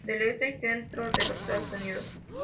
Del este y centro de los Estados Unidos.